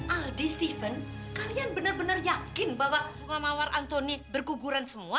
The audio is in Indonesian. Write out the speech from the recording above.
aldi steven kalian benar benar yakin bahwa bunga mawar antoni berguguran semua